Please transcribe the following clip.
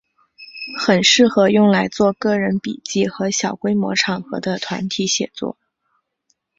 很适合用来做个人笔记和小规模场合的团体写作。